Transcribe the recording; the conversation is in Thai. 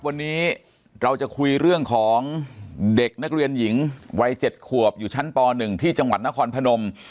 วันนี้เราจะคุยเรื่องของเด็กนักเรียนหญิงวัย๗ขวบอยู่ชั้นป๑ที่จังหวัดนครพนม